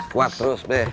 kuat terus be